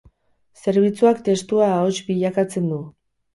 Zerbitzuak testua ahots bilakatzen du.